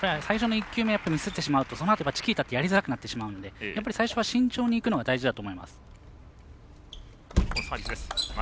最初の１球目をミスってしまうとそのあとがチキータってやりづらくなってしまうので最初は慎重にいくのが大事だと思います。